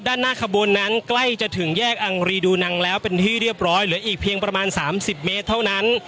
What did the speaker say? ด้านหน้าขบวนนั้นใกล้จะถึงแยกอังรีดูนังแล้วเป็นที่เรียบร้อยเหลืออีกเพียงประมาณ๓๐เมตรเท่านั้น